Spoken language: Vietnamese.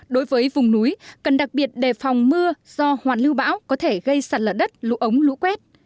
đối với vùng núi cần đặc biệt đề phòng mưa do hoàn lưu bão có thể gây sạt lở đất lũ ống lũ quét